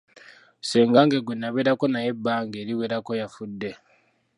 Ssengange gwe nabeerako naye ebbanga eriwerako yafudde.